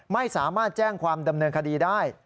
ไม่สามารถแจ้งความดำเนินคดีได้